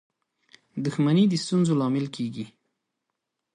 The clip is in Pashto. • دښمني د ستونزو لامل کېږي.